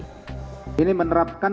direktur astra tech tony hasilalahi mengatakan